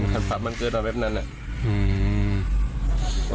ตามผาพมันเกิดแบบนั้นน่ะ